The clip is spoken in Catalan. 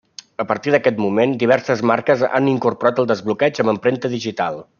A partir d'aquest moment, diverses marques han incorporat el desbloqueig amb empremta digital.